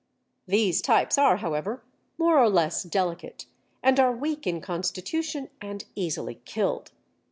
These types are, however, more or less delicate, and are weak in constitution and easily killed.